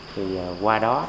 thì qua đó